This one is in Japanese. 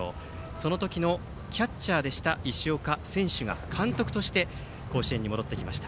その時のキャッチャーでした石岡選手が監督として甲子園に戻ってきました。